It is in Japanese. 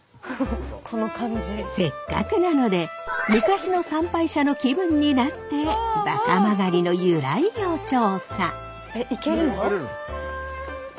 せっかくなので昔の参拝者の気分になって馬鹿曲の由来を調査！